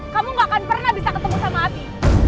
kamu gak akan pernah bisa ketemu sama api